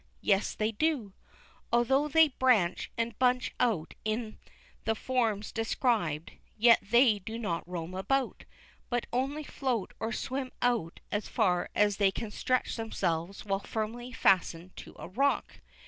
Yet they do. Although they branch and bunch out in the forms described, yet they do not roam about, but only float or swim out as far as they can stretch themselves while firmly fastened to a rock.